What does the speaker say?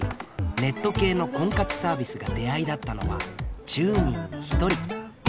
ネット系の婚活サービスが出会いだったのは１０人に１人。